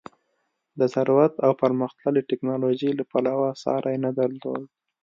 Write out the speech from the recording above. د ثروت او پرمختللې ټکنالوژۍ له پلوه ساری نه درلود.